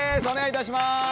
お願いいたします。